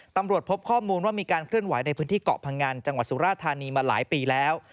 ตำรวจพบข้อมูลว่ามีการเคลื่อนไหวในพื้นที่เกาะพังงันจังหวัดสุราธานีมาหลายปีแล้ว